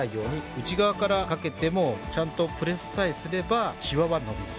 内側からかけてもちゃんとプレスさえすればシワは伸びます。